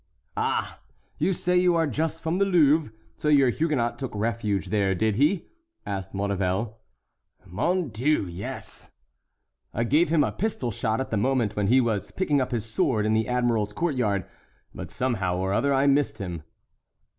"Ah! you say you are just from the Louvre; so your Huguenot took refuge there, did he?" asked Maurevel. "Mon Dieu! yes." "I gave him a pistol shot at the moment when he was picking up his sword in the admiral's court yard, but I somehow or other missed him."